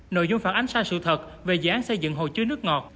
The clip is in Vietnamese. nội dung phản ánh sai sự thật về dự án xây dựng hồ chứa nước ngọt